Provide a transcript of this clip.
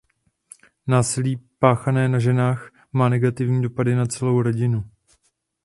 Násilí páchané na ženách má negativní dopady na celou rodinu.